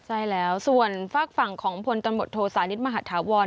ใช่แล้วส่วนฝากฝั่งของพลตำรวจโทสานิทมหาธาวร